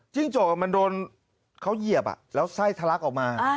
จิ้งจกเขาเหยียบแล้วไส้ทัลักออกมา